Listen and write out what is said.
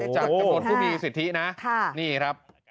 จากผู้มีสิทธินะนี่ครับ